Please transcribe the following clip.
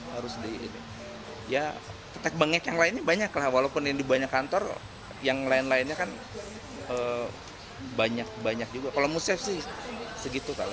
harus di ya tetek bengek yang lainnya banyaklah walaupun yang dibanyak kantor yang lain lainnya kan banyak banyak juga kalau musim sih segitu kalau